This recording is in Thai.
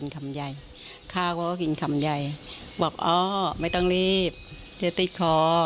ข้าก็กินคำใหญ่บอกอ้อไม่ต้องรีบจะติดคอ